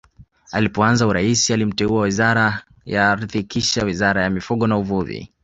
Alipoanza urais alimteua Wizara ya Ardhi kisha Wizara ya Mifugo na Uvuvi